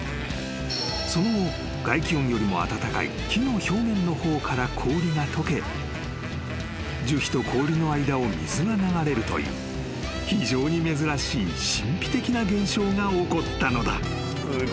［その後外気温よりも暖かい木の表面の方から氷が解け樹皮と氷の間を水が流れるという非常に珍しい神秘的な現象が起こったのだ］